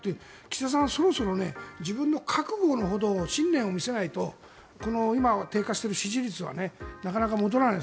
岸田さんはそろそろ自分の覚悟のほどを信念を見せないと今、低下している支持率はなかなか戻らない。